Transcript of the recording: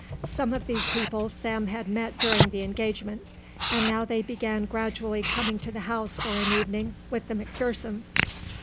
Some of these people Sam had met during the engagement, and now they began gradually coming to the house for an evening with the McPhersons.